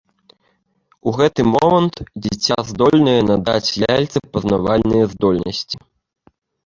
У гэты момант дзіця здольнае надаць ляльцы пазнавальныя здольнасці.